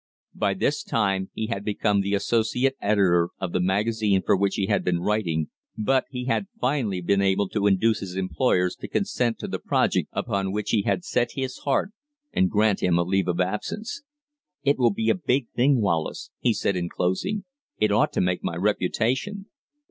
By this time he had become the associate editor of the magazine for which he had been writing, but he had finally been able to induce his employers to consent to the project upon which he had set his heart and grant him a leave of absence. "It will be a big thing, Wallace," he said in closing; "it ought to make my reputation."